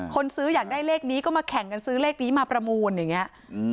คนซื้ออยากได้เลขนี้ก็มาแข่งกันซื้อเลขนี้มาประมูลอย่างนี้